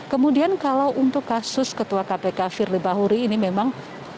kemudian kalau untuk kasus ketua kpk firly bahuri ini memang